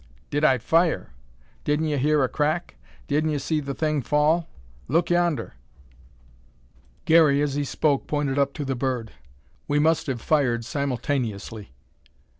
"Did I fire! Didn't ye hear a crack? Didn't ye see the thing fall? Look yonder!" Garey, as he spoke, pointed up to the bird. "We must have fired simultaneously."